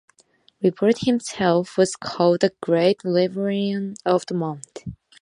Robert himself was called "The Great Librarian of the Mont".